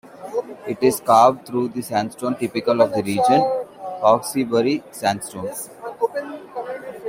It is carved through the sandstone typical of the region, Hawkesbury sandstone.